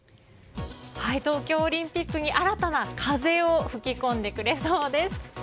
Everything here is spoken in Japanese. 東京オリンピックに新たな風を吹き込んでくれそうです。